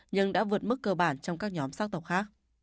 nhưng đã vượt mức cơ bản trong các nhóm sắc tộc khác